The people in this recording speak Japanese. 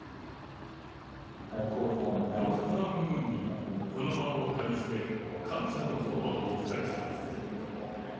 ドクタームーンに、この場をお借りして、感謝のことばをお伝えします。